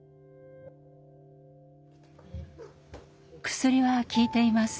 「薬は効いています。